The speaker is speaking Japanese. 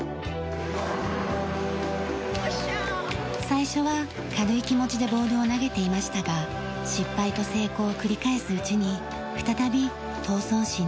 最初は軽い気持ちでボールを投げていましたが失敗と成功を繰り返すうちに再び闘争心に火がつきました。